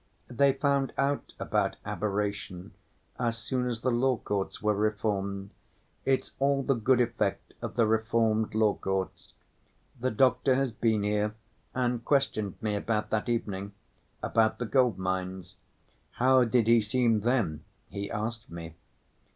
They found out about aberration as soon as the law courts were reformed. It's all the good effect of the reformed law courts. The doctor has been here and questioned me about that evening, about the gold mines. 'How did he seem then?' he asked me.